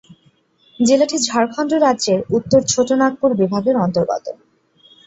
জেলাটি ঝাড়খন্ড রাজ্যের উত্তর ছোটনাগপুর বিভাগের অন্তর্গত।